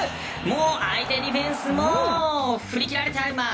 相手ディフェンスも振り切られちゃいます。